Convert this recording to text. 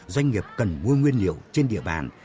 doanh nghiệp cần mua nguyên liệu trên địa bàn